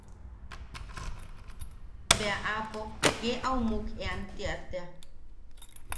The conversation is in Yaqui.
Bea aapo kee au muknean tia tea.